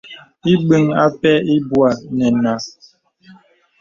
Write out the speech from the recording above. Ìbəŋ ǎ pɛ ibwə̄ nə nǎ.